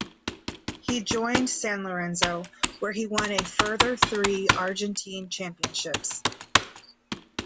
He joined San Lorenzo where he won a further three Argentine championships.